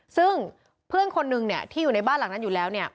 ซึ่งเพื่อนคนนึงที่อยู่ในบ้านหลังนั้นอยู่แล้วเนี่ย